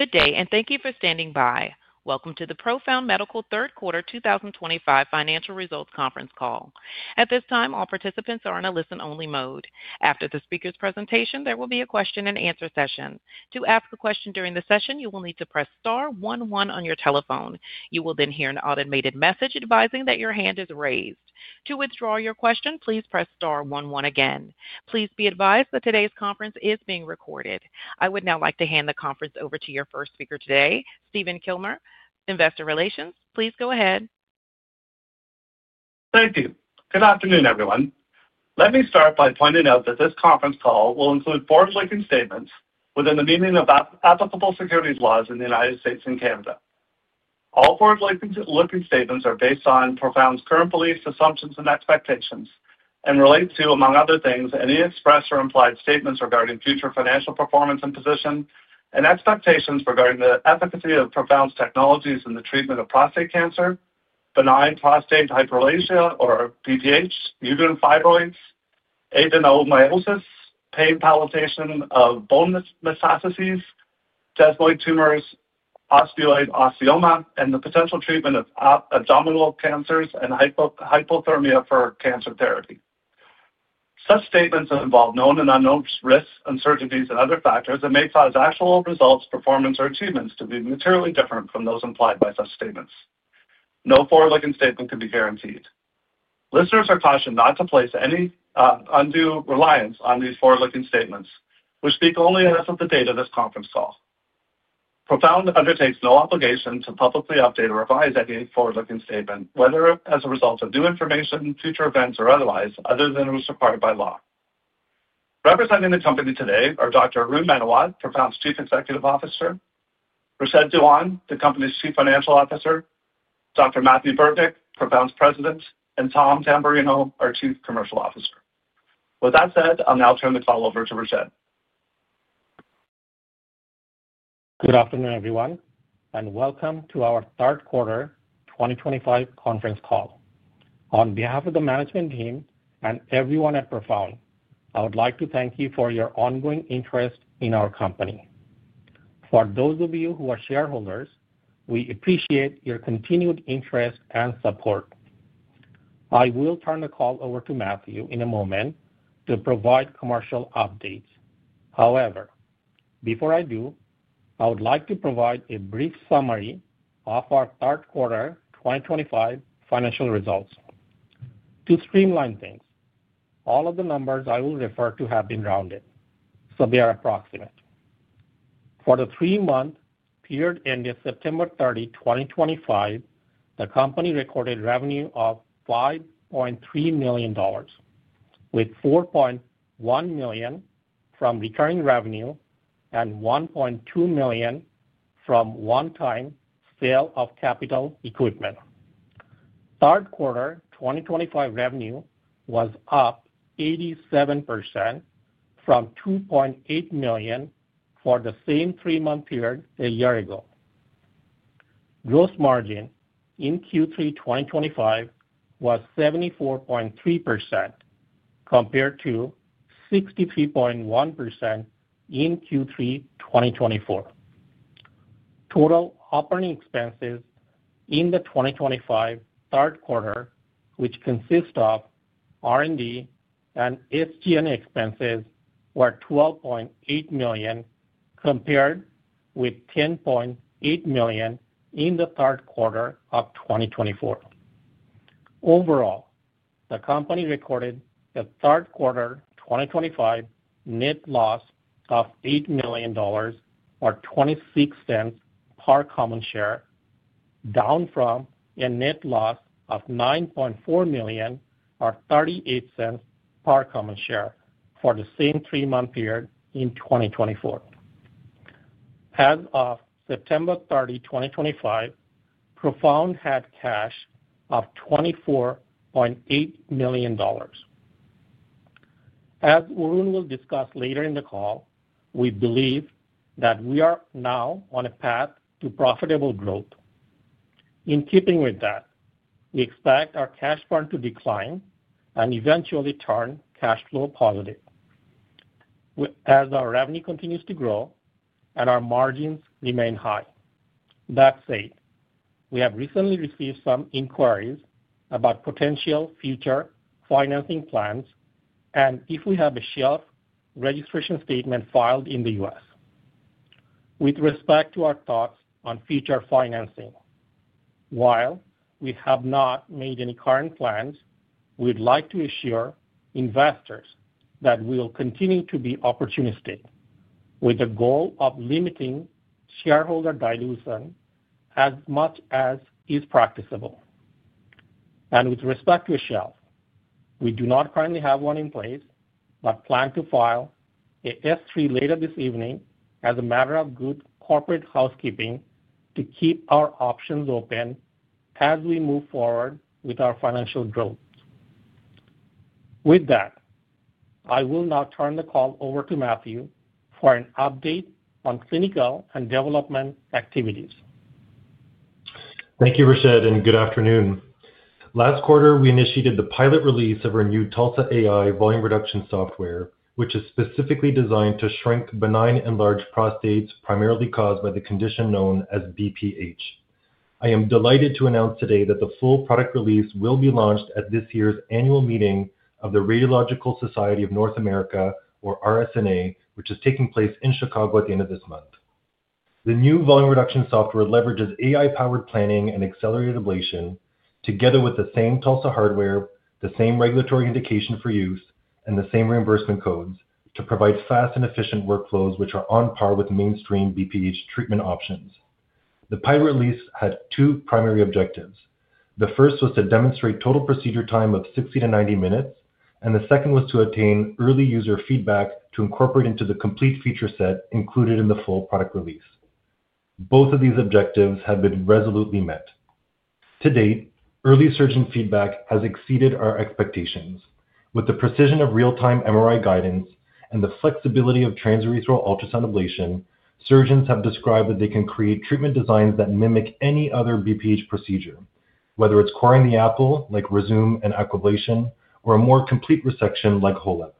Good day, and thank you for standing by. Welcome to the Profound Medical Third Quarter 2025 Financial Results Conference Call. At this time, all participants are in a listen-only mode. After the speaker's presentation, there will be a question-and-answer session. To ask a question during the session, you will need to press star one one on your telephone. You will then hear an automated message advising that your hand is raised. To withdraw your question, please press star 11 again. Please be advised that today's conference is being recorded. I would now like to hand the conference over to your first speaker today, Stephen Kilmer, Investor Relations. Please go ahead. Thank you. Good afternoon, everyone. Let me start by pointing out that this conference call will include forward-looking statements within the meaning of applicable securities laws in the United States and Canada. All forward-looking statements are based on Profound's current beliefs, assumptions, and expectations, and relate to, among other things, any expressed or implied statements regarding future financial performance and position, and expectations regarding the efficacy of Profound's technologies in the treatment of prostate cancer, benign prostatic hyperplasia or BPH, uterine fibroids, adenomyosis, pain palpitation of bone metastases, desmoid tumors, osteoid osteoma, and the potential treatment of abdominal cancers and hypothermia for cancer therapy. Such statements involve known and unknown risks, uncertainties, and other factors that may cause actual results, performance, or achievements to be materially different from those implied by such statements. No forward-looking statement can be guaranteed. Listeners are cautioned not to place any undue reliance on these forward-looking statements, which speak only as of the date of this conference call. Profound undertakes no obligation to publicly update or revise any forward-looking statement, whether as a result of new information, future events, or otherwise, other than as required by law. Representing the company today are Dr. Arun Menawat, Profound's Chief Executive Officer, Rashed Dewan, the company's Chief Financial Officer, Dr. Mathieu Burtnyk, Profound's President, and Tom Tamberrino, our Chief Commercial Officer. With that said, I'll now turn the call over to Rashed. Good afternoon, everyone, and welcome to our Third Quarter 2025 Conference Call. On behalf of the management team and everyone at Profound, I would like to thank you for your ongoing interest in our company. For those of you who are shareholders, we appreciate your continued interest and support. I will turn the call over to Mathieu in a moment to provide commercial updates. However, before I do, I would like to provide a brief summary of our Third Quarter 2025 financial results. To streamline things, all of the numbers I will refer to have been rounded, so they are approximate. For the three-month period ending September 30, 2025, the company recorded revenue of $5.3 million, with $4.1 million from recurring revenue and $1.2 million from one-time sale of capital equipment. Third Quarter 2025 revenue was up 87% from $2.8 million for the same three-month period a year ago. Gross margin in Q3 2025 was 74.3% compared to 63.1% in Q3 2024. Total operating expenses in the 2025 Third Quarter, which consist of R&D and SG&E expenses, were $12.8 million compared with $10.8 million in the Third Quarter of 2024. Overall, the company recorded the Third Quarter 2025 net loss of $8 million or $0.26 per common share, down from a net loss of $9.4 million or $0.38 per common share for the same three-month period in 2024. As of September 30, 2025, Profound had cash of $24.8 million. As Arun will discuss later in the call, we believe that we are now on a path to profitable growth. In keeping with that, we expect our cash fund to decline and eventually turn cash flow positive as our revenue continues to grow and our margins remain high. That said, we have recently received some inquiries about potential future financing plans and if we have a shelf registration statement filed in the U.S. With respect to our thoughts on future financing, while we have not made any current plans, we'd like to assure investors that we will continue to be opportunistic with the goal of limiting shareholder dilution as much as is practicable. With respect to a shelf, we do not currently have one in place but plan to file an S3 later this evening as a matter of good corporate housekeeping to keep our options open as we move forward with our financial growth. With that, I will now turn the call over to Mathieu for an update on clinical and development activities. Thank you, Rashed, and good afternoon. Last quarter, we initiated the pilot release of our new TULSA AI Volume Reduction Software, which is specifically designed to shrink benign enlarged prostates primarily caused by the condition known as BPH. I am delighted to announce today that the full product release will be launched at this year's annual meeting of the Radiological Society of North America, or RSNA, which is taking place in Chicago at the end of this month. The new volume reduction software leverages AI-powered planning and accelerated ablation together with the same TULSA hardware, the same regulatory indication for use, and the same reimbursement codes to provide fast and efficient workflows which are on par with mainstream BPH treatment options. The pilot release had two primary objectives. The first was to demonstrate total procedure time of 60-90 minutes, and the second was to obtain early user feedback to incorporate into the complete feature set included in the full product release. Both of these objectives have been resolutely met. To date, early surgeon feedback has exceeded our expectations. With the precision of real-time MRI guidance and the flexibility of transurethral ultrasound ablation, surgeons have described that they can create treatment designs that mimic any other BPH procedure, whether it's coring the apple like Rezūm and Aquablation, or a more complete resection like HoLEP.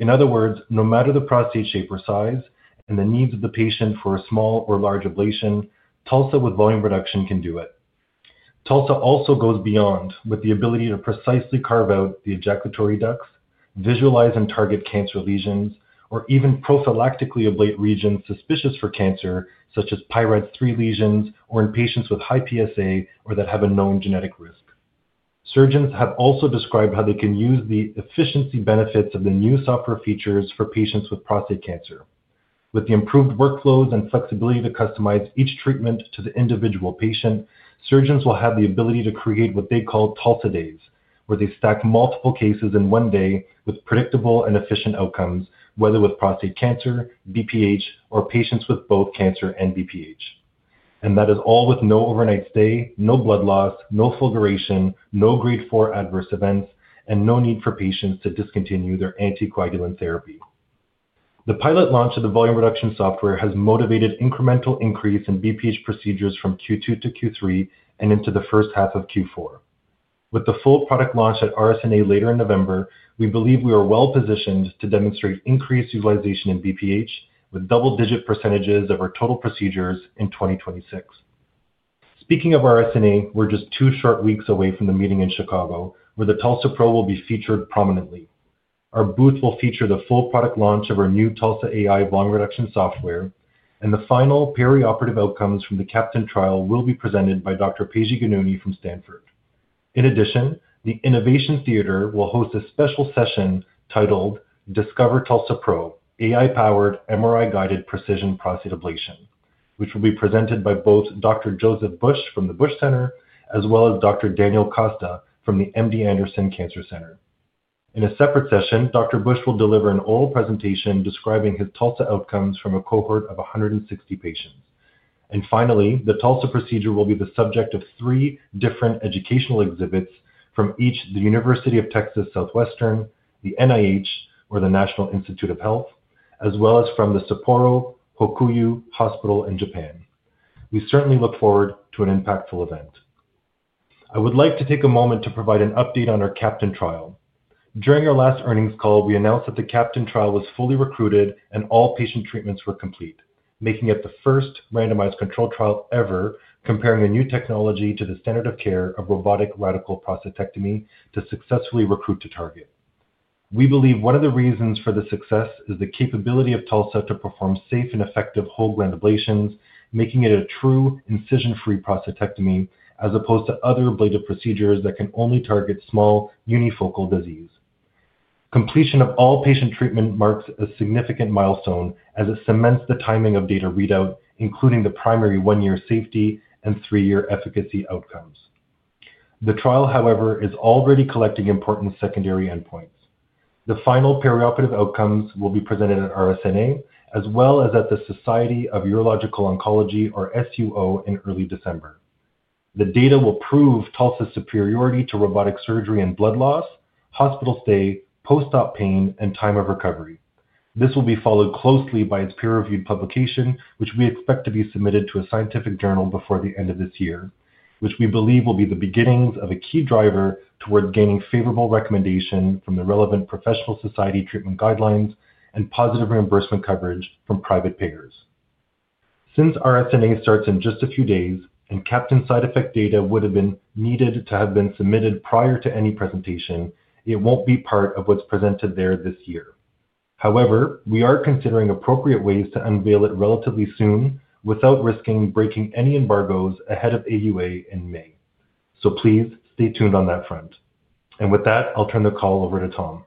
In other words, no matter the prostate shape or size and the needs of the patient for a small or large ablation, TULSA with volume reduction can do it. TULSA also goes beyond with the ability to precisely carve out the ejaculatory ducts, visualize and target cancer lesions, or even prophylactically ablate regions suspicious for cancer, such as PI-RADS 3 lesions or in patients with high PSA or that have a known genetic risk. Surgeons have also described how they can use the efficiency benefits of the new software features for patients with prostate cancer. With the improved workflows and flexibility to customize each treatment to the individual patient, surgeons will have the ability to create what they call TULSA days, where they stack multiple cases in one day with predictable and efficient outcomes, whether with prostate cancer, BPH, or patients with both cancer and BPH. That is all with no overnight stay, no blood loss, no fulguration, no grade 4 adverse events, and no need for patients to discontinue their anticoagulant therapy. The pilot launch of the volume reduction software has motivated incremental increase in BPH procedures from Q2 to Q3 and into the first half of Q4. With the full product launch at RSNA later in November, we believe we are well positioned to demonstrate increased utilization in BPH with double-digit % of our total procedures in 2026. Speaking of RSNA, we're just two short weeks away from the meeting in Chicago, where the TULSA-PRO will be featured prominently. Our booth will feature the full product launch of our new TULSA AI Volume Reduction Software, and the final perioperative outcomes from the Kapton trial will be presented by Dr. Peji Ghanouni from Stanford. In addition, the Innovation Theater will host a special session titled "Discover TULSA-PRO: AI-Powered MRI-Guided Precision Prostate Ablation," which will be presented by both Dr. Joseph Bush from the Bush Center as well as Dr. Daniel Costa from the MD Anderson Cancer Center. In a separate session, Dr. Bush will deliver an oral presentation describing his TULSA outcomes from a cohort of 160 patients. Finally, the TULSA procedure will be the subject of three different educational exhibits from each the University of Texas Southwestern, the NIH, or the National Institute of Health, as well as from the Sapporo Hokuyu Hospital in Japan. We certainly look forward to an impactful event. I would like to take a moment to provide an update on our Kapton trial. During our last earnings call, we announced that the Kapton trial was fully recruited and all patient treatments were complete, making it the first randomized controlled trial ever comparing a new technology to the standard of care of robotic radical prostatectomy to successfully recruit to target. We believe one of the reasons for the success is the capability of TULSA to perform safe and effective whole gland ablations, making it a true incision-free prostatectomy as opposed to other ablative procedures that can only target small unifocal disease. Completion of all patient treatment marks a significant milestone as it cements the timing of data readout, including the primary one-year safety and three-year efficacy outcomes. The trial, however, is already collecting important secondary endpoints. The final perioperative outcomes will be presented at RSNA as well as at the Society of Urological Oncology, or SUO, in early December. The data will prove TULSA's superiority to robotic surgery in blood loss, hospital stay, post-op pain, and time of recovery. This will be followed closely by its peer-reviewed publication, which we expect to be submitted to a scientific journal before the end of this year, which we believe will be the beginnings of a key driver towards gaining favorable recommendation from the relevant professional society treatment guidelines and positive reimbursement coverage from private payers. Since RSNA starts in just a few days and Kapton side effect data would have been needed to have been submitted prior to any presentation, it won't be part of what's presented there this year. However, we are considering appropriate ways to unveil it relatively soon without risking breaking any embargoes ahead of AUA in May. Please stay tuned on that front. With that, I'll turn the call over to Tom.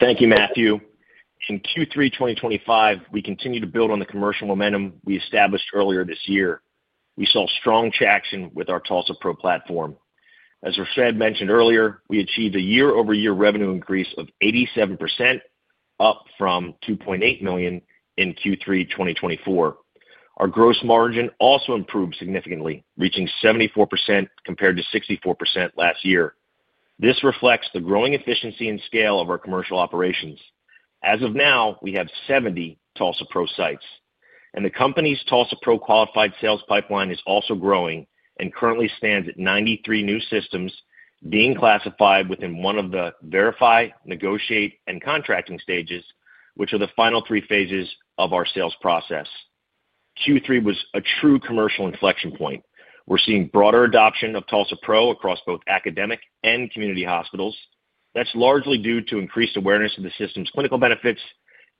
Thank you, Mathieu. In Q3 2025, we continue to build on the commercial momentum we established earlier this year. We saw strong traction with our TULSA-PRO platform. As Rashed mentioned earlier, we achieved a year-over-year revenue increase of 87%, up from $2.8 million in Q3 2024. Our gross margin also improved significantly, reaching 74% compared to 64% last year. This reflects the growing efficiency and scale of our commercial operations. As of now, we have 70 TULSA-PRO sites, and the company's TULSA-PRO qualified sales pipeline is also growing and currently stands at 93 new systems being classified within one of the verify, negotiate, and contracting stages, which are the final three phases of our sales process. Q3 was a true commercial inflection point. We're seeing broader adoption of TULSA-PRO across both academic and community hospitals. That's largely due to increased awareness of the system's clinical benefits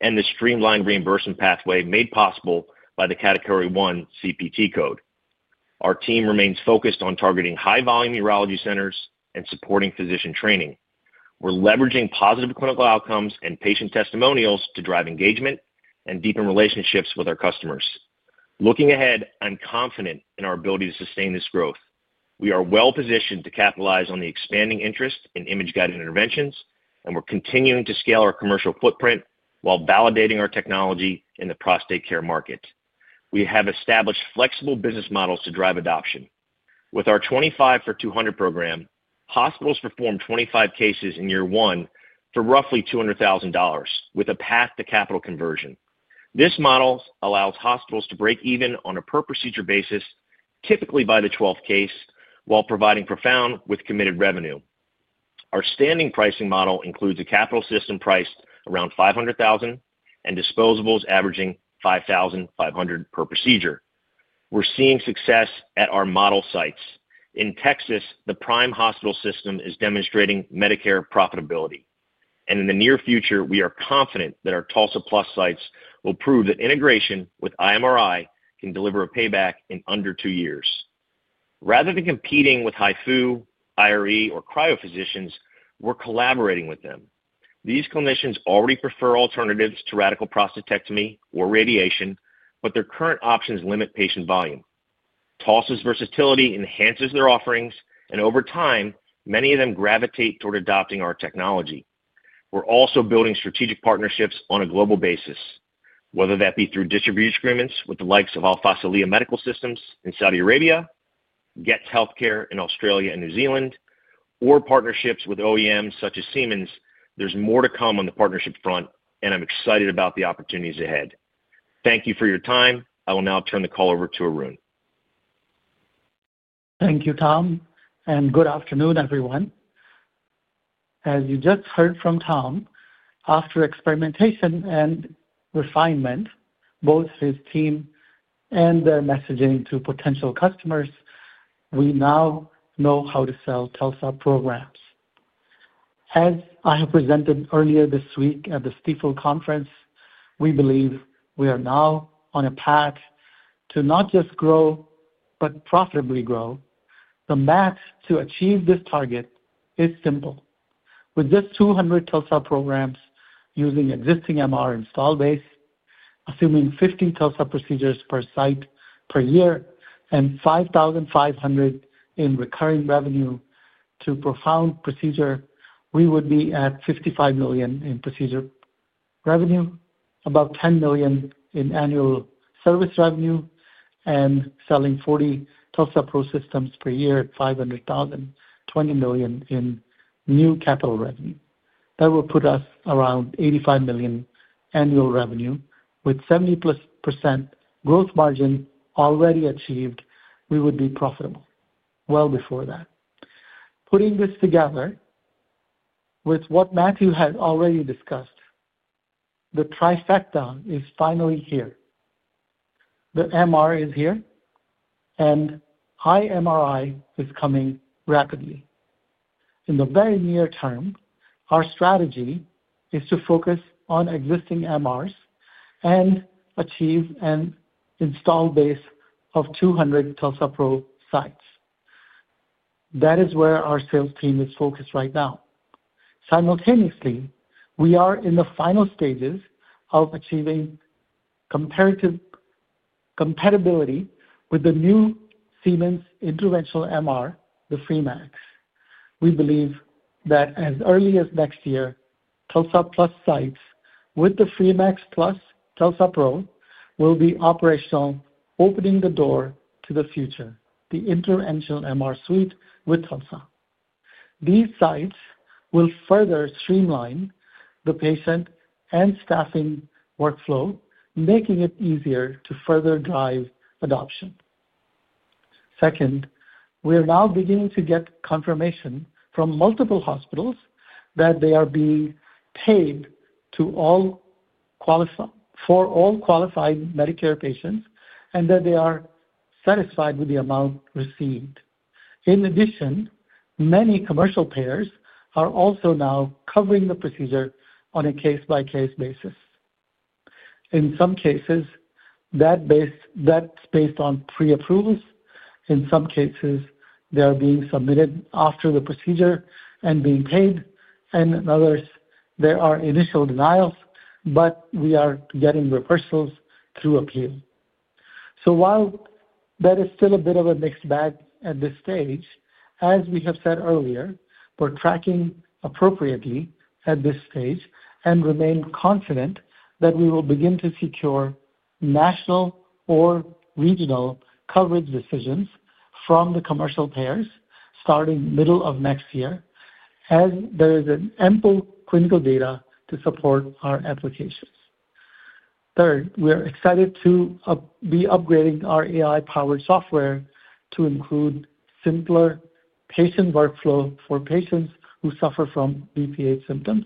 and the streamlined reimbursement pathway made possible by the category one CPT code. Our team remains focused on targeting high-volume urology centers and supporting physician training. We're leveraging positive clinical outcomes and patient testimonials to drive engagement and deepen relationships with our customers. Looking ahead, I'm confident in our ability to sustain this growth. We are well positioned to capitalize on the expanding interest in image-guided interventions, and we're continuing to scale our commercial footprint while validating our technology in the prostate care market. We have established flexible business models to drive adoption. With our 25 for 200 program, hospitals performed 25 cases in year one for roughly $200,000 with a path to capital conversion. This model allows hospitals to break even on a per procedure basis, typically by the 12th case, while providing Profound with committed revenue. Our standing pricing model includes a capital system priced around $500,000 and disposables averaging $5,500 per procedure. We're seeing success at our model sites. In Texas, the prime hospital system is demonstrating Medicare profitability. In the near future, we are confident that our TULSA+ sites will prove that integration with IMRI can deliver a payback in under two years. Rather than competing with HIFU, IRE, or cryophysicians, we're collaborating with them. These clinicians already prefer alternatives to radical prostatectomy or radiation, but their current options limit patient volume. TULSA's versatility enhances their offerings, and over time, many of them gravitate toward adopting our technology. We're also building strategic partnerships on a global basis, whether that be through distribution agreements with the likes of Al Faisaliah Medical Systems in Saudi Arabia, Getz Healthcare in Australia and New Zealand, or partnerships with OEMs such as Siemens. There's more to come on the partnership front, and I'm excited about the opportunities ahead. Thank you for your time. I will now turn the call over to Arun. Thank you, Tom, and good afternoon, everyone. As you just heard from Tom, after experimentation and refinement, both his team and their messaging to potential customers, we now know how to sell TULSA programs. As I have presented earlier this week at the Stifel Conference, we believe we are now on a path to not just grow, but profitably grow. The math to achieve this target is simple. With just 200 TULSA programs using existing MR install base, assuming 15 TULSA procedures per site per year and $5,500 in recurring revenue to Profound per procedure, we would be at $55 million in procedure revenue, about $10 million in annual service revenue, and selling 40 TULSA-PRO systems per year at $500,000, $20 million in new capital revenue. That will put us around $85 million annual revenue. With 70% gross margin already achieved, we would be profitable well before that. Putting this together with what Mathieu had already discussed, the trifecta is finally here. The MR is here, and high MRI is coming rapidly. In the very near term, our strategy is to focus on existing MRs and achieve an install base of 200 TULSA-PRO sites. That is where our sales team is focused right now. Simultaneously, we are in the final stages of achieving compatibility with the new Siemens interventional MR, the FREEmax. We believe that as early as next year, TULSA+ sites with the FREEmax plus TULSA-PRO will be operational, opening the door to the future, the interventional MR suite with TULSA. These sites will further streamline the patient and staffing workflow, making it easier to further drive adoption. Second, we are now beginning to get confirmation from multiple hospitals that they are being paid for all qualified Medicare patients and that they are satisfied with the amount received. In addition, many commercial payers are also now covering the procedure on a case-by-case basis. In some cases, that's based on pre-approvals. In some cases, they are being submitted after the procedure and being paid. In others, there are initial denials, but we are getting reversals through appeal. While that is still a bit of a mixed bag at this stage, as we have said earlier, we're tracking appropriately at this stage and remain confident that we will begin to secure national or regional coverage decisions from the commercial payers starting middle of next year, as there is ample clinical data to support our applications. Third, we are excited to be upgrading our AI-powered software to include simpler patient workflow for patients who suffer from BPH symptoms.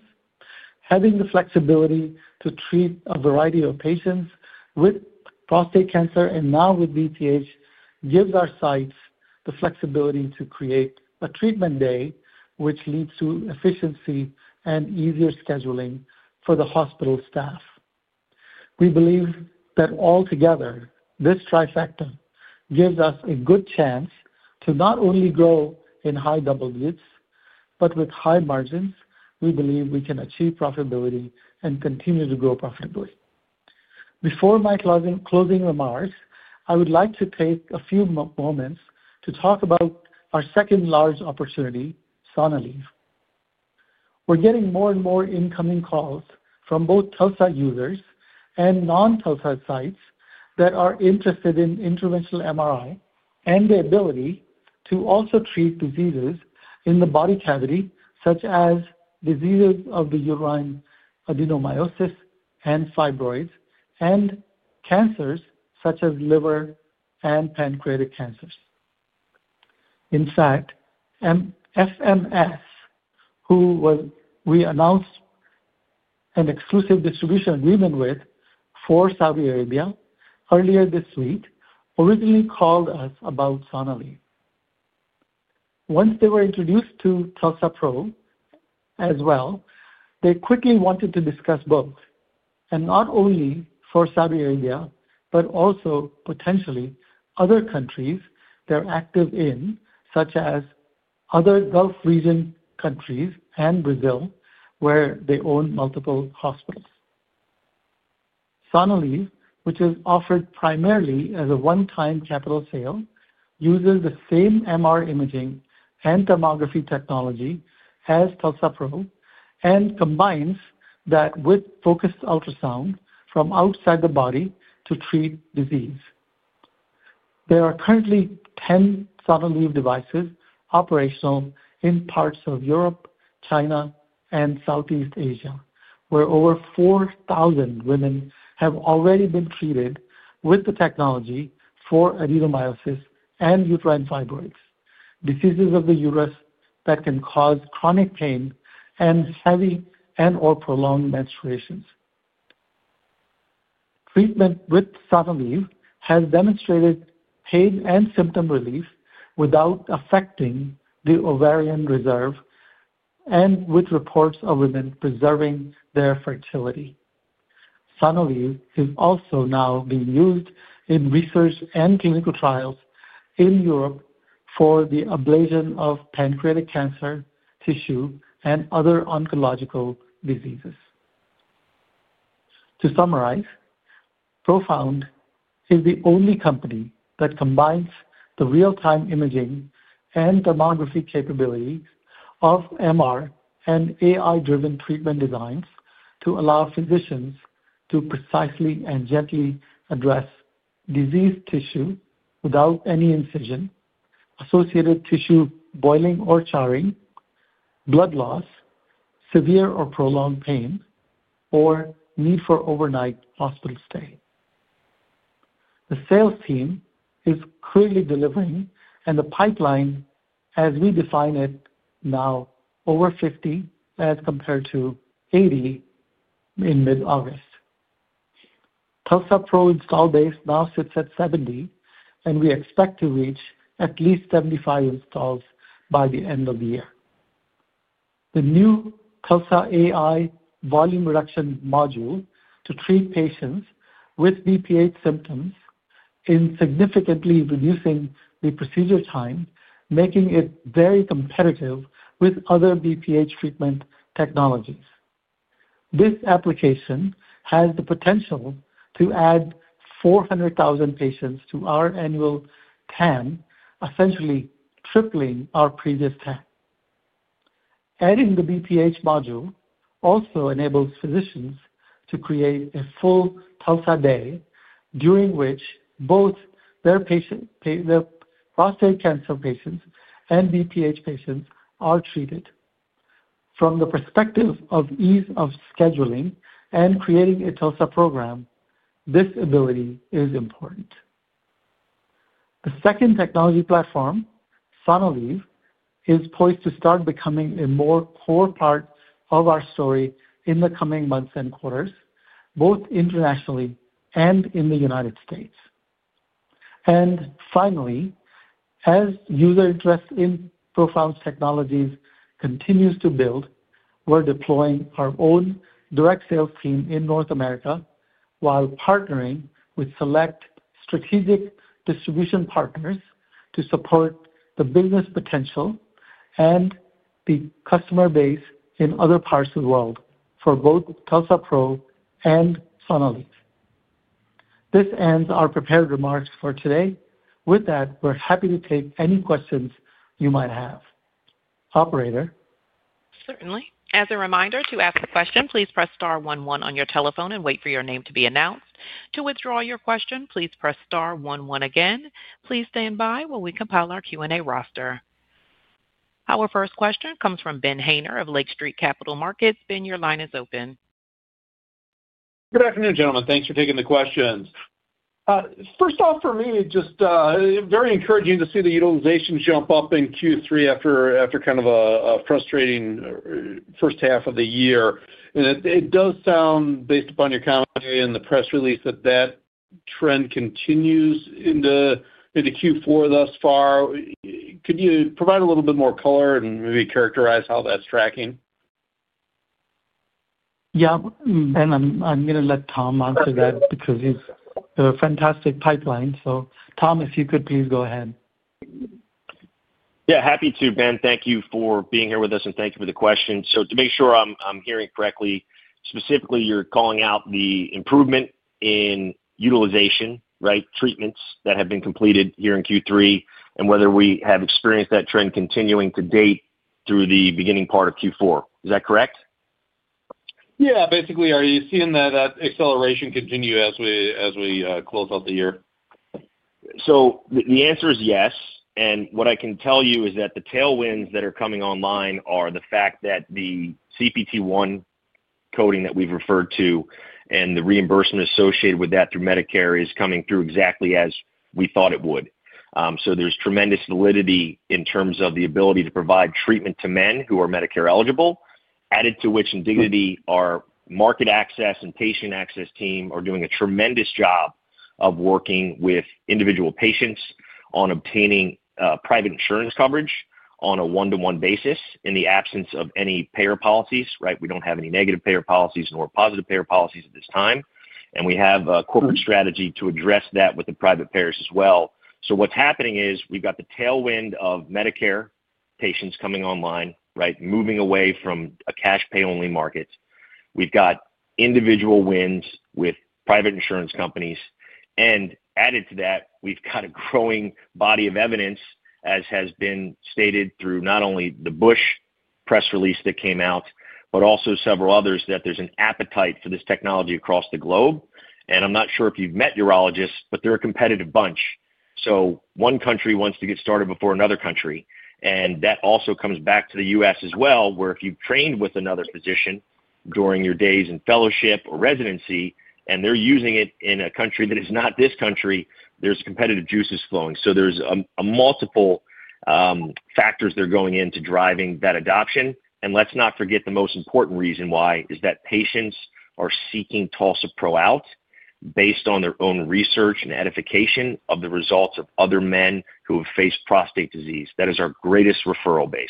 Having the flexibility to treat a variety of patients with prostate cancer and now with BPH gives our sites the flexibility to create a treatment day, which leads to efficiency and easier scheduling for the hospital staff. We believe that altogether, this trifecta gives us a good chance to not only grow in high double digits, but with high margins, we believe we can achieve profitability and continue to grow profitably. Before my closing remarks, I would like to take a few moments to talk about our second large opportunity, Sonalleve. We're getting more and more incoming calls from both TULSA users and non-TULSA sites that are interested in interventional MRI and the ability to also treat diseases in the body cavity, such as diseases of the uterine adenomyosis and fibroids, and cancers such as liver and pancreatic cancers. In fact, Al Faisaliah Medical Systems, who we announced an exclusive distribution agreement with for Saudi Arabia earlier this week, originally called us about Sonalleve. Once they were introduced to TULSA-PRO as well, they quickly wanted to discuss both, and not only for Saudi Arabia, but also potentially other countries they're active in, such as other Gulf region countries and Brazil, where they own multiple hospitals. Sonalleve, which is offered primarily as a one-time capital sale, uses the same MR imaging and tomography technology as TULSA-PRO and combines that with focused ultrasound from outside the body to treat disease. There are currently 10 Sonalleve devices operational in parts of Europe, China, and Southeast Asia, where over 4,000 women have already been treated with the technology for adenomyosis and uterine fibroids, diseases of the uterus that can cause chronic pain and heavy and/or prolonged menstruations. Treatment with Sonalleve has demonstrated pain and symptom relief without affecting the ovarian reserve and with reports of women preserving their fertility. Sonalleve is also now being used in research and clinical trials in Europe for the ablation of pancreatic cancer tissue and other oncological diseases. To summarize, Profound is the only company that combines the real-time imaging and tomography capabilities of MR and AI-driven treatment designs to allow physicians to precisely and gently address diseased tissue without any incision, associated tissue boiling or charring, blood loss, severe or prolonged pain, or need for overnight hospital stay. The sales team is clearly delivering, and the pipeline, as we define it now, is over 50 as compared to 80 in mid-August. TULSA-PRO install base now sits at 70, and we expect to reach at least 75 installs by the end of the year. The new TULSA AI Volume Reduction Module to treat patients with BPH symptoms is significantly reducing the procedure time, making it very competitive with other BPH treatment technologies. This application has the potential to add 400,000 patients to our annual TAM, essentially tripling our previous TAM. Adding the BPH module also enables physicians to create a full TULSA day, during which both their prostate cancer patients and BPH patients are treated. From the perspective of ease of scheduling and creating a TULSA program, this ability is important. The second technology platform, Sonalleve, is poised to start becoming a more core part of our story in the coming months and quarters, both internationally and in the United States. Finally, as user interest in Profound Technologies continues to build, we're deploying our own direct sales team in North America while partnering with select strategic distribution partners to support the business potential and the customer base in other parts of the world for both TULSA-PRO and Sonalleve. This ends our prepared remarks for today. With that, we're happy to take any questions you might have. Operator. Certainly. As a reminder to ask a question, please press star 11 on your telephone and wait for your name to be announced. To withdraw your question, please press star 11 again. Please stand by while we compile our Q&A roster. Our first question comes from Ben Haynor of Lake Street Capital Markets. Ben, your line is open. Good afternoon, gentlemen. Thanks for taking the questions. First off, for me, it's just very encouraging to see the utilization jump up in Q3 after kind of a frustrating first half of the year. It does sound, based upon your commentary in the press release, that that trend continues into Q4 thus far. Could you provide a little bit more color and maybe characterize how that's tracking? Yeah. I'm going to let Tom answer that because he's a fantastic pipeline. Tom, if you could please go ahead. Yeah. Happy to, Ben. Thank you for being here with us, and thank you for the question. To make sure I'm hearing correctly, specifically, you're calling out the improvement in utilization, right, treatments that have been completed here in Q3, and whether we have experienced that trend continuing to date through the beginning part of Q4. Is that correct? Yeah. Basically, are you seeing that acceleration continue as we close out the year? The answer is yes. What I can tell you is that the tailwinds that are coming online are the fact that the CPT-1 coding that we have referred to and the reimbursement associated with that through Medicare is coming through exactly as we thought it would. There is tremendous validity in terms of the ability to provide treatment to men who are Medicare eligible, added to which Indignity, our market access and patient access team, are doing a tremendous job of working with individual patients on obtaining private insurance coverage on a one-to-one basis in the absence of any payer policies, right? We do not have any negative payer policies nor positive payer policies at this time. We have a corporate strategy to address that with the private payers as well. What's happening is we've got the tailwind of Medicare patients coming online, right, moving away from a cash pay-only market. We've got individual wins with private insurance companies. Added to that, we've got a growing body of evidence, as has been stated through not only the Bush press release that came out, but also several others, that there's an appetite for this technology across the globe. I'm not sure if you've met urologists, but they're a competitive bunch. One country wants to get started before another country. That also comes back to the U.S. as well, where if you've trained with another physician during your days in fellowship or residency, and they're using it in a country that is not this country, there's competitive juices flowing. There are multiple factors that are going into driving that adoption. Let's not forget the most important reason why is that patients are seeking TULSA-PRO out based on their own research and edification of the results of other men who have faced prostate disease. That is our greatest referral base.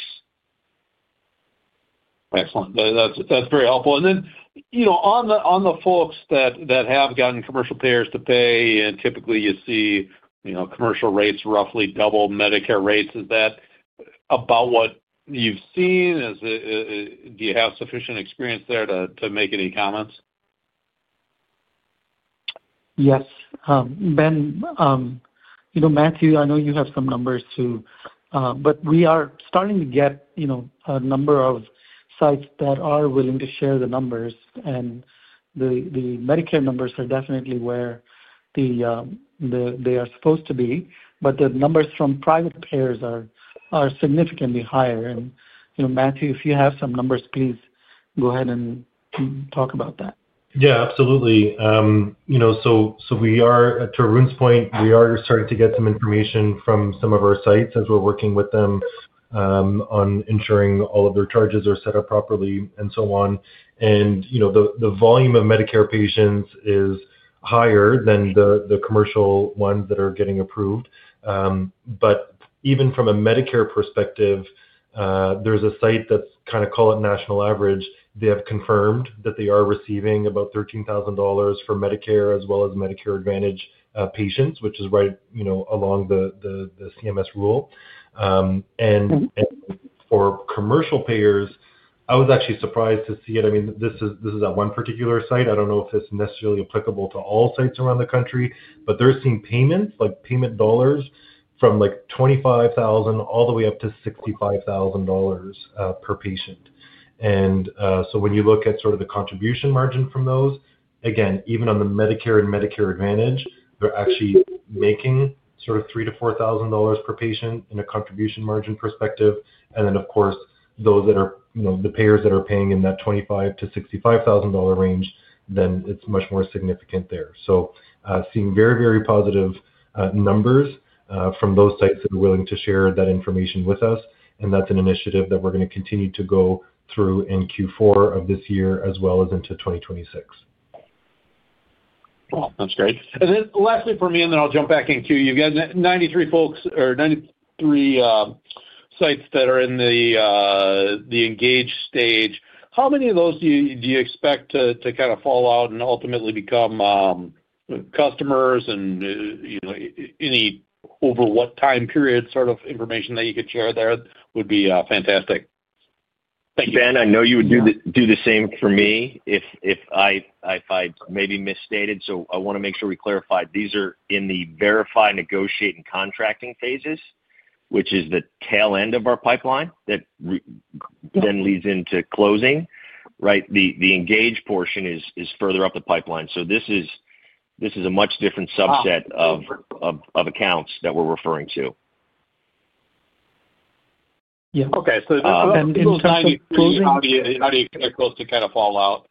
Excellent. That is very helpful. And then on the folks that have gotten commercial payers to pay, and typically you see commercial rates roughly double Medicare rates, is that about what you have seen? Do you have sufficient experience there to make any comments? Yes. Ben, Mathieu, I know you have some numbers too, but we are starting to get a number of sites that are willing to share the numbers. The Medicare numbers are definitely where they are supposed to be, but the numbers from private payers are significantly higher. Mathieu, if you have some numbers, please go ahead and talk about that. Yeah, absolutely. To Arun's point, we are starting to get some information from some of our sites as we're working with them on ensuring all of their charges are set up properly and so on. The volume of Medicare patients is higher than the commercial ones that are getting approved. Even from a Medicare perspective, there's a site that's kind of, call it national average. They have confirmed that they are receiving about $13,000 for Medicare as well as Medicare Advantage patients, which is right along the CMS rule. For commercial payers, I was actually surprised to see it. I mean, this is at one particular site. I don't know if it's necessarily applicable to all sites around the country, but they're seeing payments like payment dollars from $25,000 all the way up to $65,000 per patient. When you look at sort of the contribution margin from those, again, even on the Medicare and Medicare Advantage, they're actually making sort of $3,000-$4,000 per patient in a contribution margin perspective. Of course, those that are the payers that are paying in that $25,000-$65,000 range, it's much more significant there. Seeing very, very positive numbers from those sites that are willing to share that information with us. That's an initiative that we're going to continue to go through in Q4 of this year as well as into 2026. Cool. That's great. Lastly for me, and then I'll jump back in to you again, 93 folks or 93 sites that are in the engage stage. How many of those do you expect to kind of fall out and ultimately become customers? Any over what time period sort of information that you could share there would be fantastic. Thank you. Ben, I know you would do the same for me if I maybe misstated. I want to make sure we clarify. These are in the verify, negotiate, and contracting phases, which is the tail end of our pipeline that then leads into closing, right? The engage portion is further up the pipeline. This is a much different subset of accounts that we're referring to. Yeah. Okay. So this one is closing. How do you expect those to kind of fall out?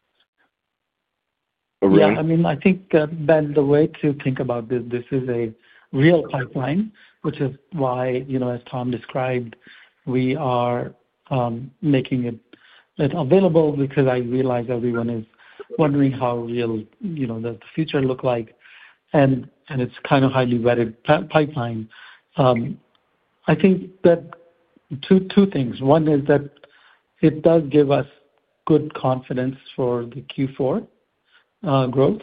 Yeah. I mean, I think, Ben, the way to think about this, this is a real pipeline, which is why, as Tom described, we are making it available because I realize everyone is wondering how real the future looks like. And it is kind of a highly vetted pipeline. I think that two things. One is that it does give us good confidence for the Q4 growth.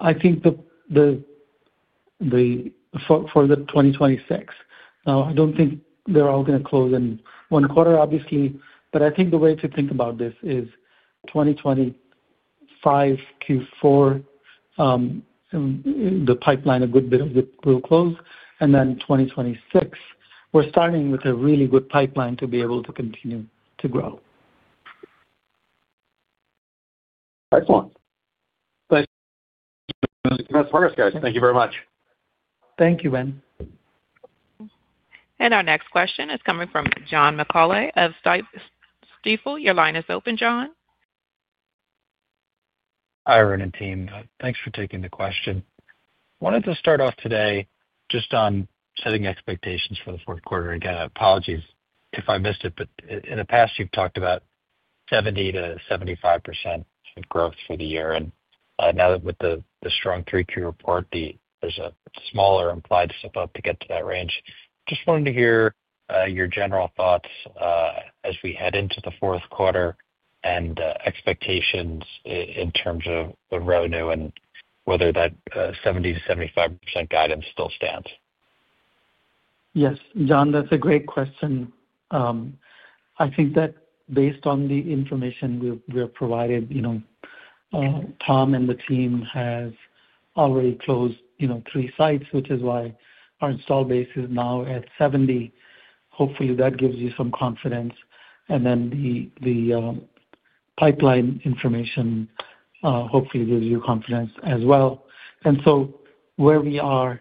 I think for 2026, I do not think they are all going to close in one quarter, obviously. I think the way to think about this is 2025, Q4, the pipeline, a good bit of it will close. Then 2026, we are starting with a really good pipeline to be able to continue to grow. Excellent. Thanks, guys. Thank you very much. Thank you, Ben. Our next question is coming from John McAuley of Stifel. Your line is open, John. Hi, Arun and team. Thanks for taking the question. I wanted to start off today just on setting expectations for the fourth quarter. Again, apologies if I missed it, but in the past, you've talked about 70-75% growth for the year. And now with the strong three-quarter report, there's a smaller implied step up to get to that range. Just wanted to hear your general thoughts as we head into the fourth quarter and expectations in terms of the revenue and whether that 70-75% guidance still stands. Yes, John, that's a great question. I think that based on the information we're provided, Tom and the team have already closed three sites, which is why our install base is now at 70. Hopefully, that gives you some confidence. The pipeline information hopefully gives you confidence as well. Where we are,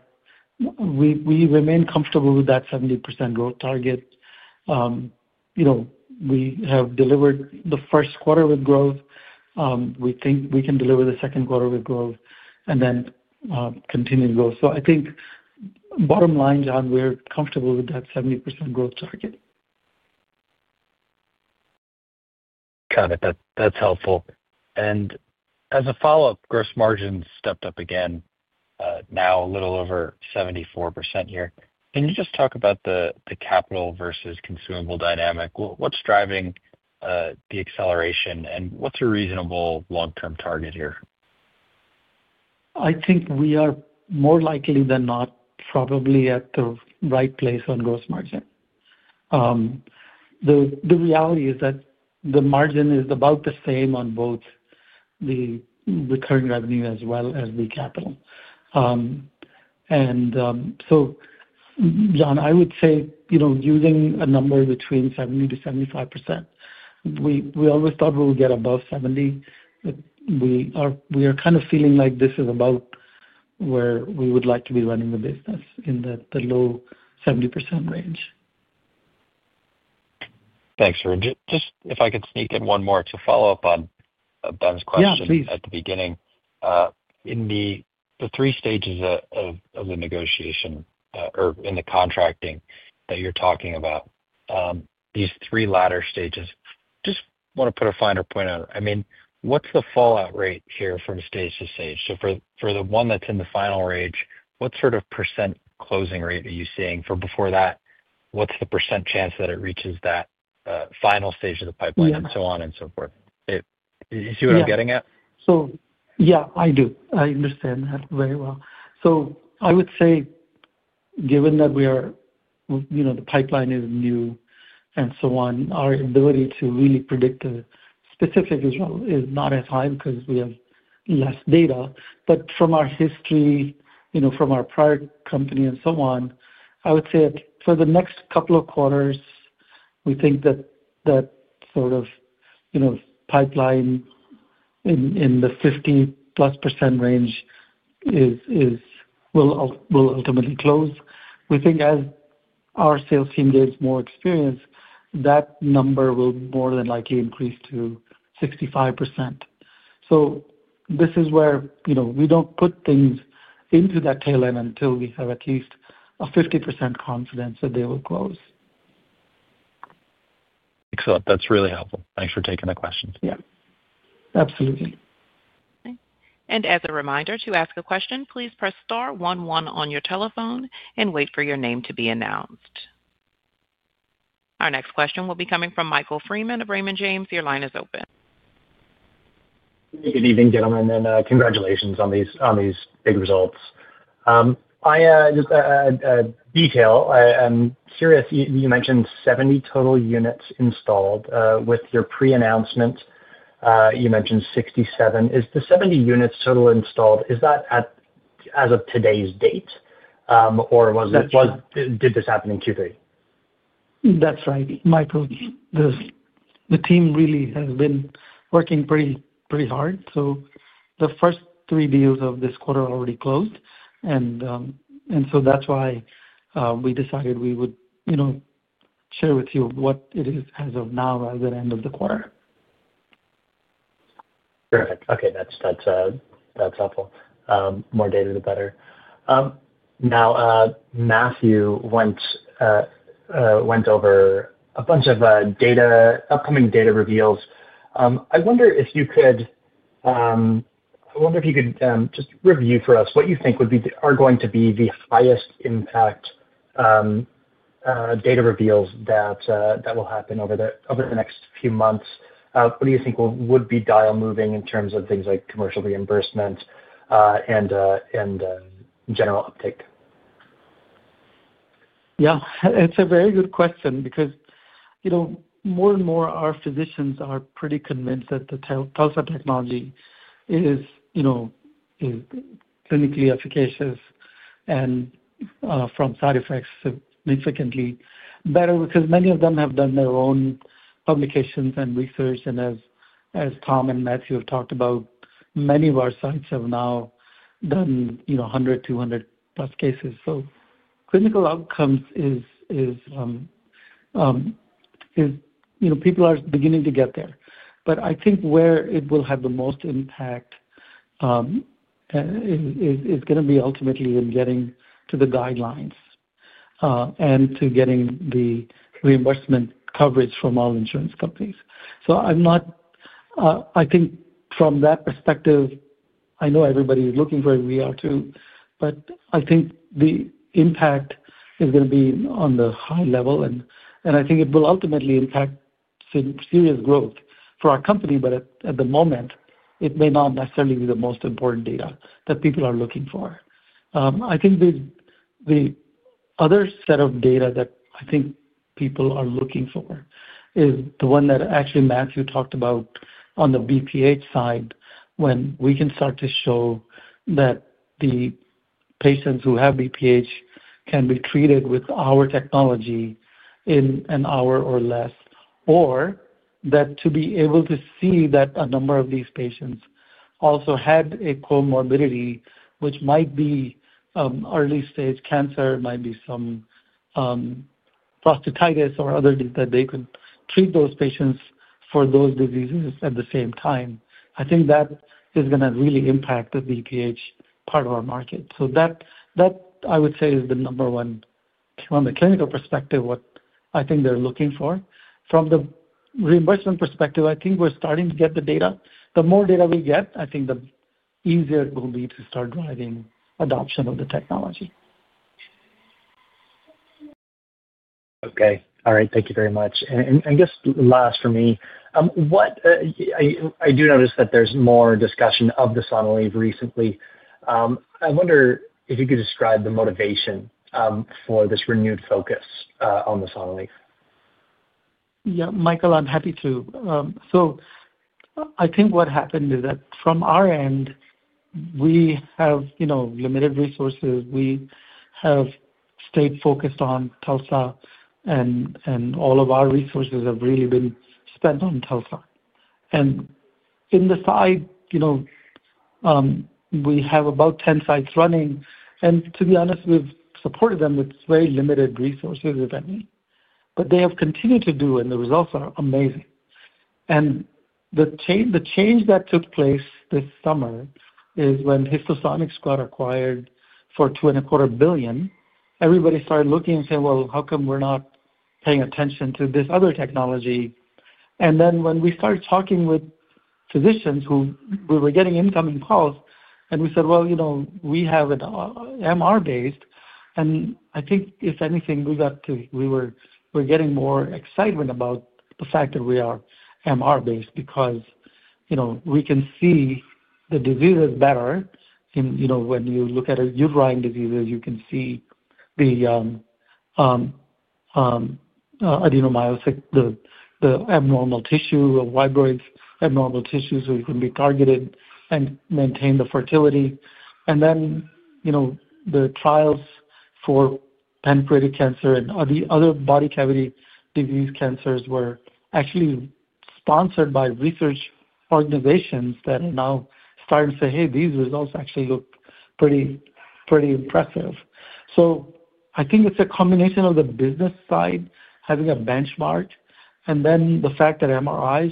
we remain comfortable with that 70% growth target. We have delivered the first quarter with growth. We think we can deliver the second quarter with growth and then continue to grow. I think bottom line, John, we're comfortable with that 70% growth target. Got it. That's helpful. As a follow-up, gross margins stepped up again, now a little over 74% here. Can you just talk about the capital versus consumable dynamic? What's driving the acceleration and what's a reasonable long-term target here? I think we are more likely than not probably at the right place on gross margin. The reality is that the margin is about the same on both the recurring revenue as well as the capital. And so, John, I would say using a number between 70-75%, we always thought we would get above 70. We are kind of feeling like this is about where we would like to be running the business in the low 70% range. Thanks, Arun. Just if I could sneak in one more to follow up on Ben's question at the beginning. In the three stages of the negotiation or in the contracting that you're talking about, these three latter stages, just want to put a finer point on. I mean, what's the fallout rate here from stage to stage? For the one that's in the final range, what sort of % closing rate are you seeing? For before that, what's the % chance that it reaches that final stage of the pipeline and so on and so forth? Is that what I'm getting at? Yeah. Yeah, I do. I understand that very well. I would say, given that the pipeline is new and so on, our ability to really predict the specific result is not as high because we have less data. From our history, from our prior company and so on, I would say for the next couple of quarters, we think that sort of pipeline in the 50%+ range will ultimately close. We think as our sales team gains more experience, that number will more than likely increase to 65%. This is where we do not put things into that tail end until we have at least a 50% confidence that they will close. Excellent. That's really helpful. Thanks for taking the questions. Yeah. Absolutely. As a reminder to ask a question, please press star 11 on your telephone and wait for your name to be announced. Our next question will be coming from Michael Freeman of Raymond James. Your line is open. Good evening, gentlemen. Congratulations on these big results. Just a detail, I'm curious, you mentioned 70 total units installed. With your pre-announcement, you mentioned 67. Is the 70 units total installed, is that as of today's date, or did this happen in Q3? That's right, Michael. The team really has been working pretty hard. The first three deals of this quarter are already closed. That is why we decided we would share with you what it is as of now, as an end of the quarter. Perfect. Okay. That's helpful. More data the better. Now, Mathieu went over a bunch of upcoming data reveals. I wonder if you could—I wonder if you could just review for us what you think are going to be the highest impact data reveals that will happen over the next few months. What do you think would be dial-moving in terms of things like commercial reimbursement and general uptake? Yeah. It's a very good question because more and more our physicians are pretty convinced that the TULSA technology is clinically efficacious and from side effects significantly better because many of them have done their own publications and research. As Tom and Mathieu have talked about, many of our sites have now done 100, 200-plus cases. Clinical outcomes is people are beginning to get there. I think where it will have the most impact is going to be ultimately in getting to the guidelines and to getting the reimbursement coverage from all insurance companies. I think from that perspective, I know everybody is looking for a VR2, but I think the impact is going to be on the high level. I think it will ultimately impact serious growth for our company. At the moment, it may not necessarily be the most important data that people are looking for. I think the other set of data that I think people are looking for is the one that actually Mathieu talked about on the BPH side when we can start to show that the patients who have BPH can be treated with our technology in an hour or less, or that to be able to see that a number of these patients also had a comorbidity, which might be early-stage cancer, might be some prostatitis or other. That they could treat those patients for those diseases at the same time. I think that is going to really impact the BPH part of our market. That, I would say, is the number one from a clinical perspective, what I think they're looking for. From the reimbursement perspective, I think we're starting to get the data. The more data we get, I think the easier it will be to start driving adoption of the technology. Okay. All right. Thank you very much. I guess last for me, I do notice that there's more discussion of the Sonalleve recently. I wonder if you could describe the motivation for this renewed focus on the Sonalleve. Yeah, Michael, I'm happy to. I think what happened is that from our end, we have limited resources. We have stayed focused on TULSA, and all of our resources have really been spent on TULSA. In the side, we have about 10 sites running. To be honest, we've supported them with very limited resources, if any. They have continued to do, and the results are amazing. The change that took place this summer is when Histosonics got acquired for $2.25 billion, everybody started looking and saying, "How come we're not paying attention to this other technology?" When we started talking with physicians who we were getting incoming calls from, we said, "We have an MR-based." I think if anything, we were getting more excitement about the fact that we are MR-based because we can see the diseases better. When you look at uterine diseases, you can see the adenomyosis, the abnormal tissue, the fibroids, abnormal tissues, so it can be targeted and maintain the fertility. The trials for pancreatic cancer and the other body cavity disease cancers were actually sponsored by research organizations that are now starting to say, "Hey, these results actually look pretty impressive." I think it is a combination of the business side, having a benchmark, and the fact that IMRI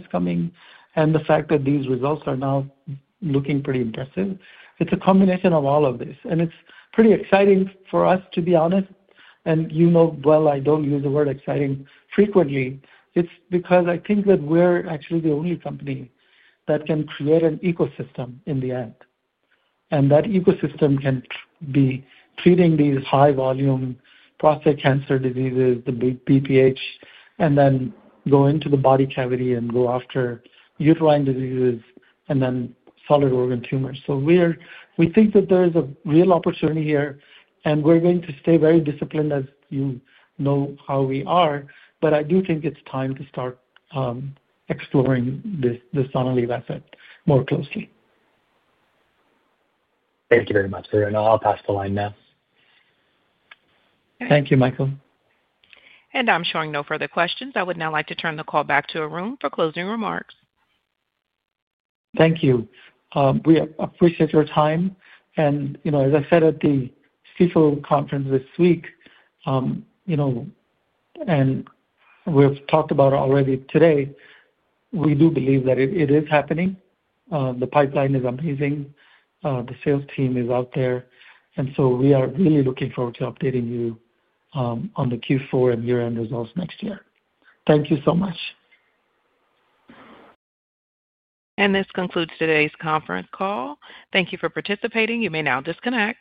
is coming, and the fact that these results are now looking pretty impressive. It is a combination of all of this. It is pretty exciting for us, to be honest. You know well, I do not use the word exciting frequently. It is because I think that we are actually the only company that can create an ecosystem in the end. That ecosystem can be treating these high-volume prostate cancer diseases, the BPH, and then go into the body cavity and go after uterine diseases and then solid organ tumors. We think that there is a real opportunity here, and we're going to stay very disciplined as you know how we are. I do think it's time to start exploring the Sonalleve asset more closely. Thank you very much, Arun. I'll pass the line now. Thank you, Michael. I'm showing no further questions. I would now like to turn the call back to Arun for closing remarks. Thank you. We appreciate your time. As I said at the Stifel conference this week, and we have talked about it already today, we do believe that it is happening. The pipeline is amazing. The sales team is out there. We are really looking forward to updating you on the Q4 and year-end results next year. Thank you so much. This concludes today's conference call. Thank you for participating. You may now disconnect.